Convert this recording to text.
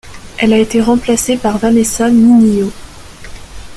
Elle a été remplacée par Vanessa Minnillo.